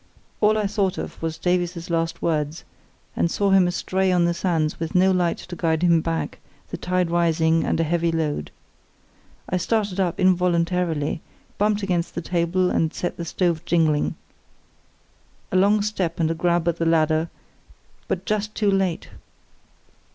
All I thought of was Davies's last words, and saw him astray on the sands, with no light to guide him back, the tide rising, and a heavy load. I started up involuntarily, bumped against the table, and set the stove jingling. A long step and a grab at the ladder, but just too late!